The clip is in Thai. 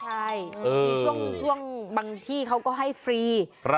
ใช่มีช่วงบางที่เขาก็ให้ฟรี